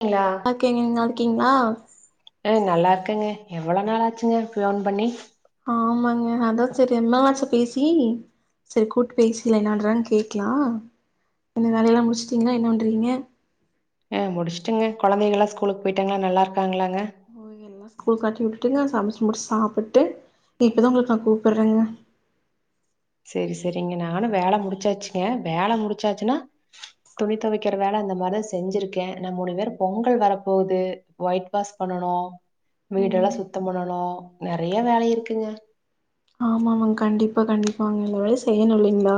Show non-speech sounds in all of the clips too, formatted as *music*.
கிளா க்கேங்க நீங் நல்லாருக்கீங்ளா? அ நல்லார்க்கங்க எவ்வளோ நாளாச்சுங்க ஃப்யோன் பண்ணி ஆமாங்க அதா செரி ரெம் நாள் ஆச்சா பேசி செரி கூப்ட்டு பேசிக்கலா என்ன பண்ணறான் கேட்லா என்ன வேலையெல்லா முடிச்ட்டிங்ளா என்ன பண்றீங்க? அ முடிச்ட்டங்க கொழந்தைகள்லா எல்லா ஸ்கூலுக் போய்ட்டாங்களா நல்லாருக்காங்களாங்க? ஓ எல்லா ஸ்கூலுக் தாட்டிவுட்டுட்டுங்க சமைச் முடிச் சாப்புட்டு இப்பதா உங்குளுக் நா கூப்பிட்றங்க. செரி செரிங்க நானு வேல முடிச்சாச்சுங்க வேல முடிச்சாச்சுனா துணி தொவைக்கிற வேல அந்த மாரிதா செஞ்சிருக்கே. ந மூணு பேரு பொங்கல் வரப்போவுது. ஒயிட் வாஷ் பண்ணனு வீடெல்லா ம் சுத்தம் பண்ணனு நெறைய வேலை இருக்குங்க. ஆமாங் கண்டிப்பா கண்டிப்பாங்க எல்லா வேலையு செய்யணு இல்லைங்ளா?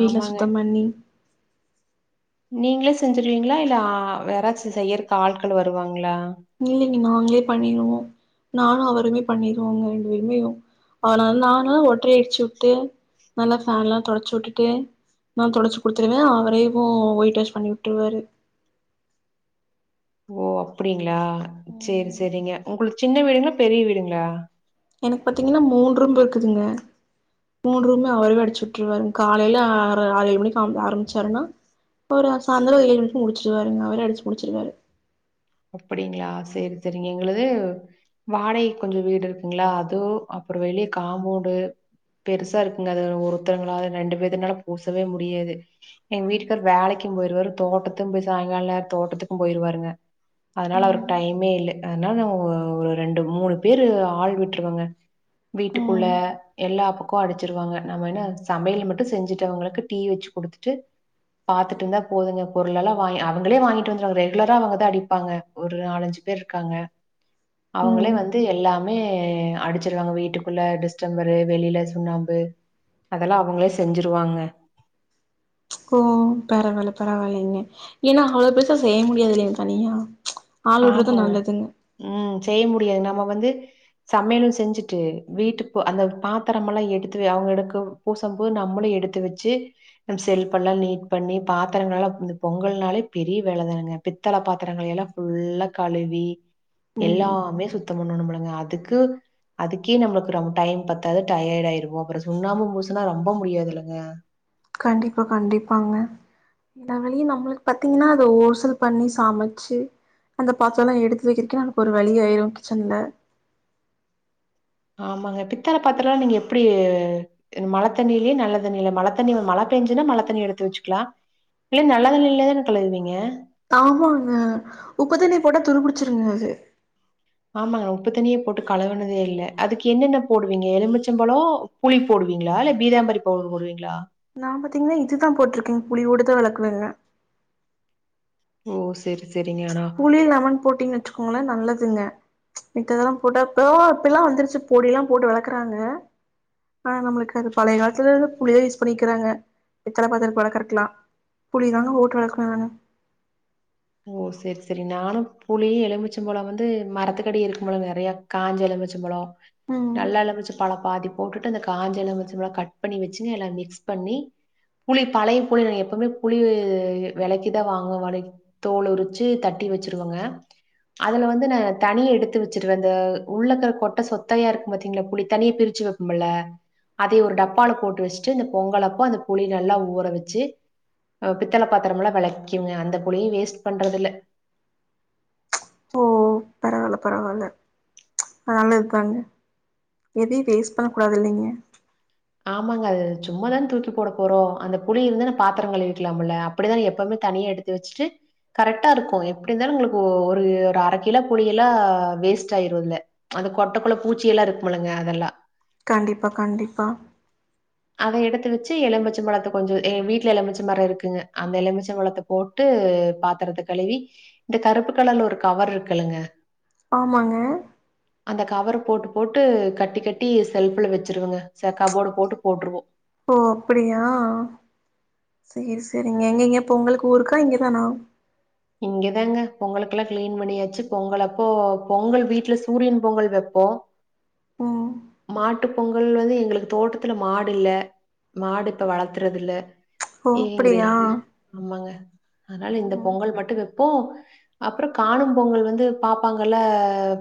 வீட்லா ஆமாங்க சுத்தம் பண்ணி நீங்ளே செஞ்சுருவிங்ளா இல்ல ஆ வேறாச்சு செய்யறக்கு ஆள்கள் வருவாங்களா? இல்லிங்க நாங்ளே பண்ணிருவோ. நானு அவருமே பண்ணிருவோங்க ரெண்டு பேருமேயு அதனால் நான்லா ஒட்ரை அடிச்சு உட்டு நல்லா ஃபேன்லா தொடச்சு உட்டுட்டு நா தொடச்சி குடுத்துருவே அவரேவு ஒயிட் வாஷ் பண்ணி உட்ருவாரு. ஓ அப்டிங்ளா சேரி ம் சேரிங்க உங்குளுத் சின்ன வீடுங்ளா பெரிய வீடுங்ளா? எனக் பாத்தீங்கன்னா மூன் ரூம்பு இருக்குதுங்க. மூன் ரூம்மே அவரேவு அடிச்சு உட்ருவாருங் காலைல ஆற ஆறு ஏழு மணிக் ஆம் ஆரம்ச்சாருன்னா ப்பறோ சாயந்தரோ ஏழ் மணிக் முடிச்சிருவாருங் அவரே அடிச்சு முடிச்சிருவாரு. அப்படிங்ளா சேரி சேரிங் எங்குளுது வாடகைக் கொஞ்சோ வீடு இருக்குங்ளா அதுவு அப்புறோ வெளிய காம்போன்டு பெருசா இருக்குங்க அது ஒருத்தருங்களால ரெண்டு பேத்துனால பூசவே முடியாது. எங் வீட்டுக்காரு வேலைக்கும் போய்ருவாரு தோட்டத்தும் போய் சாய்ங்கால் நேர் தோட்டத்துக்கும் போய்ருவாருங்க. அதனால் அவருக் ம் டைமே இல்ல அதனால் நா ஒ ஒரு ரெண்டு மூணு பேரு ஆள் விட்டுருவங்க. வீட்டுக்குள்ள ம் எல்லா பக்கோ அடிச்சிருவாங்க நம்ம என்ன சமையல் மட்டு செஞ்சுட்டு அவங்களுக்கு டீ வெச்சு குடுத்துட்டு பாத்துட்டுந்தா போதுங்க பொருள் எல்லா வாய் அவங்களே வாய்ங்கிட்டு வந்துருவாங்க ரெகுலரா அவுங்கதா அடி ப்பாங்க ஒரு நாலஞ்சு பேர்ருக்காங்க அவுங்களே ம் வந்து எல்லா மே அடிச்சிருவாங்க வீட்டுக்குள்ள டிஸ்டம்பரு வெளில சுண்ணாம்பு அதல்லா அவங்களே செஞ்சுருவாங்க. ஓ பரவால பரவால்லைங்க ஏனா அவ்ளோ பெருசா செய்ய முடியாது இல்லிங் தனியா. ஆள் விடுறது ஆமாங்க நல்லதுங்க ம் செய்ய முடியாது நம்ம வந்து சமையல் செஞ்சுட்டு வீட்டுக்போ அந்த பாத்தரம் எல்லா எடுத்து வெ அவங்க எடுக்கவ் பூசம் போது நம்மளு எடுத்து வெச்சு நம் செல்ஃப் எல்லா நீட் பண்ணி பாத்தரங்ளெலா இந்த பொங்கல்னாலே பெரிய வேல தானுங்க பித்தள பாத்தரங்களை எல்லா ஃபுல்ல கழுவி ம் எல்லாமே சுத்தம் பண்ணோணும்லங்க அதுக்கு அதுக்கே நம்மளுக்கு ரொம்ப டைம் பத்தாதது டயர்ட் ஆயிருவோ அப்புறோ சுண்ணாமு மூசன்னா ரொம்ப முடியாது இல்லங்க கண்டிப்பா கண்டிப்பாங்க நம்மளையு நம்மளுக்கு பாத்தீங்கன்னா அத ஓர்சல் பண்ணி சமைச்சு அந்த பாத்தரோல்லா எடுத்து வைக்கிறதுக்கே நமக்கு ஒரு வழியாயிடு கிச்சன்ல ஆமாங்க பித்தால பாத்திரோல்லா நீங்க எப்பிடி மழ தண்ணிலேயே நல்ல தண்ணில்ல மழ தண்ணில மழ பேஞ்சுன்னா மழ தண்ணி எடுத்து வச்சுக்கலா நீங்க நல்ல தண்ணியில தான கழுவீங்க ஆமாங்க உப்பு தண்ணி போட்டா துருபிடிச்சிருங்க அது ஆமாங்க உப்பு தனியே போட்டு கழுவுனதே இல்ல அதுக்கு என்னென்ன போடுவீங்க எலுமிச்சப் பழோ புளி போடுவீங்களா இல்ல பீதாம்பரி பவுடர் போடுவீங்களா நா பாத்தீங்கன்னா இதுதா போட்டுருக்கே புளியோடு தா விளக்குவேங்க ஓ செரி செரிங்க அனா புளி லெமன் போட்டீங்க வெச்சுகோங்களே நல்லதுங்க மித்ததெல்லா போட்டா போவறத்துக்கல்லா வந்துருச்சு பொடியெல்லா போட்டு வெளக்குறாங்க ஆனா நம்மளுக்கு அது பழைய காலத்துல்லந்து புளியே யூஸ் பண்ணிக்கிறாங்க பித்தள பாத்தரத்துக்கு வெளக்கரத்துக்கெல்லா புளிதாங்க போட்டு வெளக்குவே நானு ஓ செரி செரி நானு புளியு எலுமிச்ச பழோ வந்து மரத்துக்கடி இருக்குமுல்ல நறையா காஞ்ச எலுமிச்சப்பழோ ம் நல்ல எலுமிச்சப் பழ பாதி போட்டுட்டு அந்த காஞ்ச எலுமிச்சப் பழோ கட் பண்ணி வெச்சுன்னு எல்லா மிக்ஸ் பண்ணி புளி பழைய புளி நா எப்பவுமே புளி வெலக்கி தா வாங்குவோ வடைக் தோல உரிச்சு தட்டி வச்சிருவோங்க அதுல வந்து நா தனிய எடுத்து வச்சருவே அந்த உள்ளக்கற கொட்ட சொத்தையா இருக்கும் பாத்தீங்களா புளி தனி பிரிச்சு வெப் பம்மல்ல அதே ஒரு டப்பால போட்டு வச்சுட்டு இந்த பொங்கலப்போ அந்த புளி நல்லா ஊற வச்சு அ பித்தள பாத்தரோல்லா வெளக்கீங்க அந்த புளியு வேஸ்ட் பண்றதுல்ல ஓ பரவால்ல பரவால்ல நல்லதுதாங்க எதையும் வேஸ்ட் பண்ணக்கூடாதில்லைங்க ஆமாங்க அது சும்மாதான தூக்கி போட போறோ அந்த புளி ம் இருந்தா பாத்தரோ கழிவிக்கலாமுல்ல அப்டிதா எப்பவுமே தனியா எடுத்து வச்சுட்டு கரெக்டாருக்கு எப்படி இருந்தாலு உங்களுக்கு ஒரு ஒரு அரை கிலோ புளியெலா வேஸ்ட்டாயிடுல்ல அந்த கொட்டக்குள்ள பூச்சியெல்லா இருக்கும்முல்லங்க அதெல்லா கண்டிப்பா கண்டிப்பா அத எடுத்து வச்சு எலுமிச்சப் பழத்த கொஞ்சோ ஏங்க வீட்ல எலுமிச்ச மரோ இருக்குங்க அந்த எலுமிச்ச பழத்த போட்டு பாத்தறது கழுவி இந்த கருப்பு கலர்ல ஒரு கவர் இருக்குளுங்க ஆமாங்க அந்த கவர போட்டு போட்டு கட்டி கட்டி செல்ஃப்ல வெச்சிருவங்க ச கபோர்ட்டு போட்டு போட்ருவோ ஓ அப்பிடியா சேரி சேரிங்க எங்கே இங்க பொங்களுக்கு ஊருக்கா இங்க தானா இங்கதாங்க பொங்குக்கெல்லா கிளீன் பண்ணியாச்சு பொங்கல் அப்போ பொங்கல் வீட்ல சூரியன் பொங்கல் வெப்போ *inaudible* மாட்டு பொங்கல்னது எங்களுக்கு தோட்டத்துல மாடுல்ல மாடு இப்ப வளர்த்துறதில்ல ஓ ஏங்கிறல் அப்டியா ஆமாங்க அதனால இந்த ம்ஹும் பொங்கல் மட்டு வெப்போ அப்புறோ காணு பொங்கல் வந்து பாப்பாங்கல்ல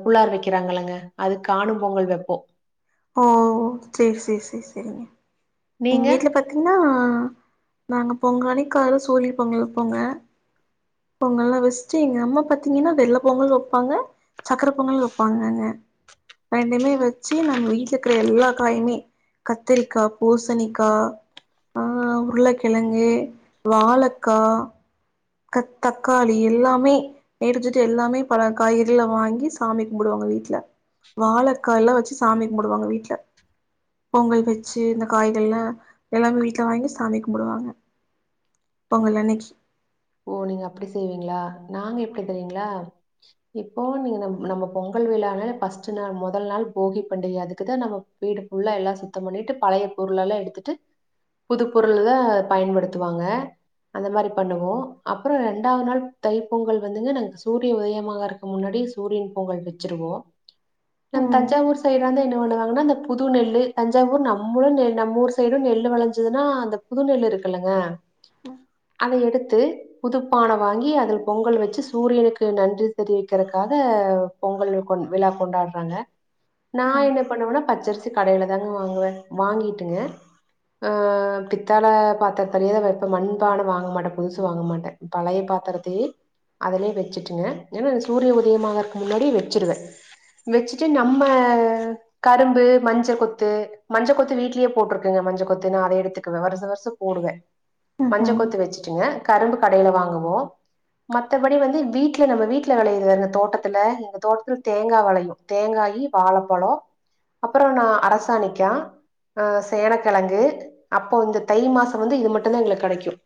புள்ளார் வைக்கிறாங்களங்க அதுக் காணும் பொங்கல் வெப்போ ஓ செர் செர் செர் செரிங்க எங்க நீங்க? வீட்ல பாத்தீங்கன்னா நாங்க பொங்காளி காலைல சூரிய பொங்கல் வைப்போங்க பொங்கல்லா வச்சுட்டு எங்க அம்மா பாத்தீங்கன்னா வெள்ள பொங்கல் வைப்பாங்க சக்கர பொங்கல் வைப்பாங்கங்க ரெண்டுமே வச்சு நம்ம வீட்ல இருக்குற எல்லா காயுமே கத்திரிக்கா பூசணிக்கா ஆ உருளைக்கிழங்கு வாழக்கா தக் தக்காளி எல்லாமே நேரிஞ்சிட்டு எல்லாமே பல காய்கறிகல வாங்கி சாமி கும்பிடுவாங்க வீட்டுல வாழக்காய் எல்லா வச்சு சாமி கும்மிடுவாங்க வீட்டுல பொங்கல் வச்சு இந்த காய்கள்லா எல்லாமே வீட்டுல வாங்கி சாமி கும்பிடுவாங்க பொங்கல் அன்னைக்கி ஓ நீங்க அப்படி செய்வீங்களா நாங்க எப்படி தெரியீங்களா இப்போ நீங்க நம் நம்ம பொங்கல் விழான ஃபர்ஸ்ட் நாள் முதல் நாள் போகி பண்டிகை அதுக்குதா நம்ம வீடு ஃபுல்லா எல்லாம் சுத்தம் பண்ணிட்டு பழைய பொருள் எல்லா எடுத்துட்டு புதுப்பொருள்ல்லா பயன்படுத்துவாங்க அந்த மாரி பண்ணுவோ அப்புறம் ரெண்டாவது நாள் தை பொங்கல் வந்துங்க நாங்க சூரிய உதயமாக இருக்க முன்னாடி சூரியன் பொங்கல் வச்சு வச்சிருவோம் நம் ம் தஞ்சாவூர் சைடு வந்து என்ன பண்ணுவாங்கன்னா அந்த புது நெல்லு தஞ்சாவூர் நம்ம நெலு நம்ம ஊரு சைடும் நெல்லு விளஞ்சதுன்னா அந்த புது நெல்லு இருக்குல்லங்க ம் அத எடுத்து புதுப்பான வாங்கி அதில பொங்கல் வச்சு சூரியனுக்கு நன்றி தெரிவிக்கிறதுக்காக பொங்கல் விழா கொண்டாடுறாங்க நா என்ன பண்ணுவேனா பச்சரிசி கடையில தாங்க வாங்குவே வாங்கிட்டுங்க ஆ பித்தள பாத்திர தரிய வைப்பே மண்பான வாங்க மாட்டே புதுசு வாங்க மாட்டே பழைய பாத்திரத்தே அதுலே வச்சுட்டுங்க ஏன்னா சூரிய உதயமாகுறதுக்கு முன்னாடியே வச்சுடுவே வச்சுட்டு நம்ம கரும்பு மஞ்ச கொத்து மஞ்ச கொத்து வீட்லயே போட்டுருக்கேன்ங்க மஞ்ச கொத்து நா அத எடுத்துக்குவே வருச வருசம் போடுவே ம் மஞ்ச ம் கொத்து வச்சுட்டுங்க கரும்பு கடையில வாங்குவோ மத்தபடி வந்து வீட்ல நம்ம வீட்ல விளையிர இந்த தோட்டத்துல எங்க தோட்டத்துல தேங்கா விளையு தேங்காயி வாழப்பழம் அப்புறோ நா அரசாணிக்கா ஆ சேனக்கிழங்கு அப்போ இந்த தை மாசம் வந்து இது மட்டும்தா எங்களுக்கு கிடைக்கும்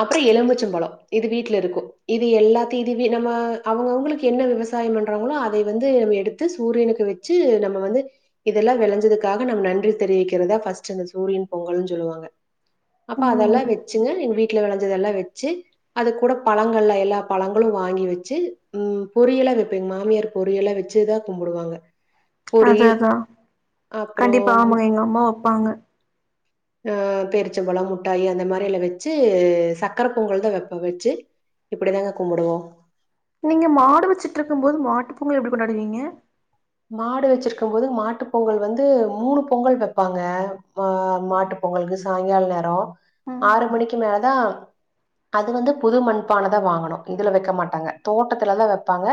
அப்புறம் எலும்பிச்சம்பழம் இது வீட்ல இருக்கும் இது எல்லாத்தி நம்ம அவுங்கவுங்களுக்கு என்ன விவசாயம் பண்றாங்களோ அதை வந்து நம்ம எடுத்து சூரியனுக்கு வச் சி நம்ம வந்து இதெல்லா விளைஞ்சதுக்காக நம்ம நன்றி தெரிவிக்கிறதா ஃபர்ஸ்ட் இந்த சூரியன் பொங்கல்ன்னு சொல்லுவாங்க அப்ப அதெல்லா ம் வச்சுங்க எங்க வீட்ல விளஞ்சதெல்லா வச்சு அது கூட பழங்கள்ல எல்லா பழங்களும் வாங்கி வச்சு ம் பொரி எல்லாம் வைப்பேங்க மாமியார் பொரி எல்லா வச்சுதா கும்பிடுவாங்க அது பொறியல் அதா கண்டிப்பா அப்புறம் மு ஆமாங்க எங்க அம்மா வப்பாங்க ஆ பேரீச்சம்பழம் முட்டாயி அந்த மாரில்ல வச்சு இது சர்க்கரை பொங்கல் தா வைப்போ வச்சி இப்படிதாங்க கும்பிடுவோம் நீங்க மாடு வச்சுட்டுருக்கும் போது மாட்டு பொங்கல் எப்படி கொண்டாடுவீங்க மாடு வச்சிருக்கும் போது மாட்டு பொங்கல் வந்து மூணு பொங்கல் வைப்பாங்க ஆ மாட்டு பொங்கலுக்கு சாயங்கால நேரம் ம் ஆறு மணிக்கு மேலதா அது வந்து புது மண்பானதா வாங்கணு இதுல வெக்க மாட்டாங்க தோட்டத்துலதா வெப்பாங்க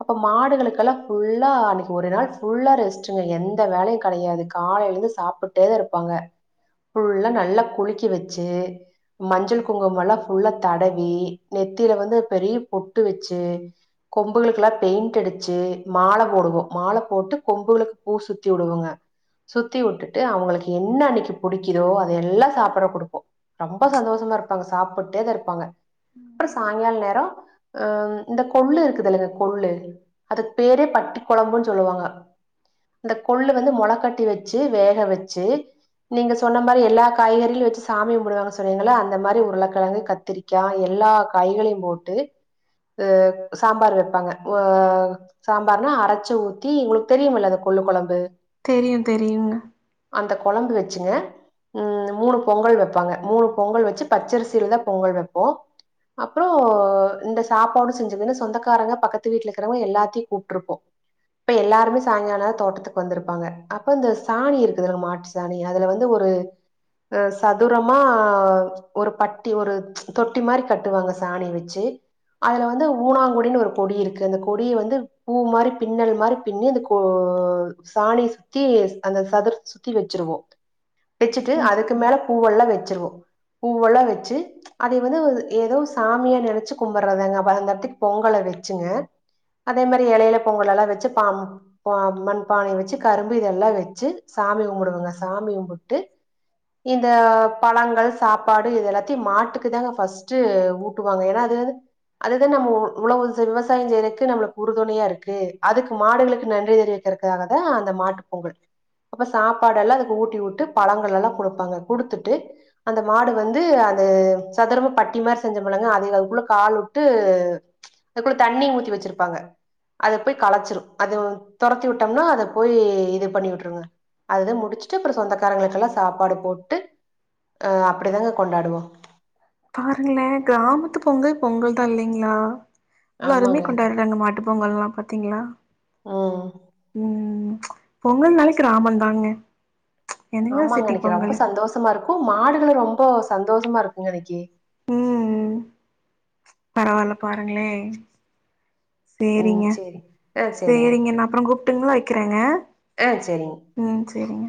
அப்ப மாடுகளுக்கெல்லா ஃபுல்லா அன்னை ஒரு நாள் ஃபுல்லா ரெஸ்ட்டுங்க எந்த வேலையு கெடையாது காலைலந்து சாப்ட்டேதா இருப்பாங்க ஃபுல்லா நல்லா குளிக்க வெச்சு மஞ்சள் குங்குமெல்லா ஃபுல்லா தடவி நெத்தில வந்து பெரிய பொட்டு வெச்சு கொம்புகளுக்கெல்லா பெயிண்ட் அடிச்சு மால போடுவோ மால போட்டு கொம்புகளுக்கு பூ சுத்தி விடுவோங்க சுத்தி விட்டுட்டு அவுங்களுக்கு என்ன அன்னைக்கு புடிக்குதோ அதையெல்லா சாப்ட குடுப்போ ரொம்ப சந்தோஷமா இருப்பாங்க சாப்புட்டேதா இருப்பாங்க அப்றோ சாய்ங்கால நேரோ அ இந்த கொள்ளு இருக்குதல்லங்க கொள்ளு அதுக்கு பேரே பட்டி கொழம்புனு சொல்லுவாங்க இந்த கொள்ளு வந்து மொளகட்டி வெச்சு வேக வெச்சு நீங்க சொன்ன மாரி எல்லா காய்கறிகளு வெச்சு சாமி கும்புடுவாங்க சொன்னீங்கள்ள அந்த மாரி உருளக்கிழங்கு கத்தரி க்கா எல்லா காய்களையும் போட்டு உ சாம்பார் வெப்பாங்க உ சாம்பார்னா அர ச்சு ஊத்தி உங்களுக்கு தெரியுமல்ல அந்த கொள்ளு கொழம்பு தெரியு தெரியுங்க அந்த கொழம்பு வெச்சுங்க ம் மூணு பொங்கல் வெப்பாங்க மூணு பொங்கல் வெச்சு பச்சரிசிலதா பொங்கல் வெப்போ அப்றோ இந்த சாப்பாடு செஞ்சதுன்னு சொந்தக்காரங்க பக்கத்து வீட்ல இருக்கிறவங்க எல்லாத்தையும் கூப்புட்டுருப்போ இப்ப எல்லாருமே சாய்ங்காலனா தோட்டத்துக்கு வந்திருப்பாங்க அப்ப இந்த சாணி இருக்குதுங்க மாட்டு சாணி அதுல வந்து ஒரு அ சதுரமா ஒரு பட்டி ஒரு தொட்டி மாரி கட்டுவாங்க சாணி வெச்சு அதுல வந்து ஊனாங்குடின்னு ஒரு கொடி இருக்கு அந்த கொடிய வந்து பூ மாரி பின்னல் மாரி பின்னி அந்த கொ சாணிய சுத்தி அந்த சதுர் சுத்தி வெச்சிருவோ வெச்சுட்டு ம் அதுக்கு மேல பூவெல்லா வெச்சிருவோ பூவெல்லா வெச்சு அதய வந்து ஏதோ சாமியா நெனச்சு கும்பிடறதுதாங்க அப்ப அந்த எடத்துக்கு பொங்கல வெச்சுங்க *inaudible* அதே மாரி எலைல பொங்கல் எல்லா வெச்சு பா மண்பானய வெச்சு கரும்பு இதெல்லா வெச்சு சாமி கும்பிடுவங்க சாமி கும்பிட்டு இந்த பழங்கள் சாப்பாடு இது எல்லாத்தையு மாட்டுக்குதாங்க ஃபர்ஸ்ட்டு ஊ ட்டுவாங்க ஏனா அது அதுதா நம்ம உழவு விவசாயோ செய்யறக்கு நம்மளுக்கு உறுதுணையா இருக்கு து அதுக்கு மாடுகளுக்கு நன்றி தெரிவிக்கிறக்காகதா அந்த மாட்டு பொங்கல் அப்ப சாப்பாடெல்லா அதுக்கு ஊட்டி விட்டு பழங்களெல்லா குடுப்பாங்க குடுத்துட்டு அந்த மாடு வந்து அது சதுரமா பட்டி மாரி செஞ்சமல்லங்க அதுல அதுக்குள்ள கால் வுட்டு அதுக்குள்ள தண்ணிய ஊத்தி வெச்சிருப்பாங்க அத போய் களச்சிரு அது துரத்தி விட்டம்னா அத போய் இது பண்ணி விட்டுருங்க அதுதான் முடிச்சுட்டு அப்றோ சொந்தக்காரங்களுக்கெல்லா சாப்பாடு போட்டு அ அப்டிதாங்க கொண்டாடுவோ பாருங்களேன் கிராமத்து பொங்கல் பொங்கல்தா இல்லைங்ளா எவ்ளோ அருமயா ஆமாங்க கொண்டாடுறாங்க மாட்டு பொங்கல்ல்லா பாத்தீங்ளா ம் ம் பொங்கல்னாலே கிராமதாங்க ஆமாங்க அன்னைக்கு ரொம்ப சந்தோஷமா இருக்கு மாடுகளு ரொம்ப சந்தோஷமா இருக்குங்க அன்னைக்கு ம் பரவால்ல பாருங்களேன் ம் சேரிங்க சேரி ஆ சேரிங்க நா அப்றோ கூப்ட்டுங்ளா வெக்கிறேங்க ஆ சேரிங்க ம் சேரிங்க